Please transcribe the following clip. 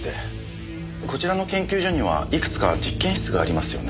こちらの研究所にはいくつか実験室がありますよね？